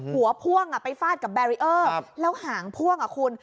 หัวพ่วงไปฟาดกับแบรียอร์แล้วหางพ่วงคุณ